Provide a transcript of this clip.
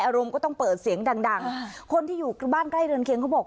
อารมณ์ก็ต้องเปิดเสียงดังดังคนที่อยู่บ้านใกล้เรือนเคียงเขาบอก